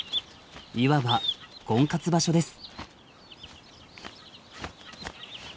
いわば婚活場所です。